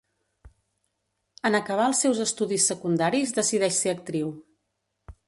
En acabar els seus estudis secundaris decideix ser actriu.